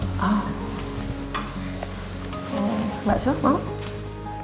mbak su mau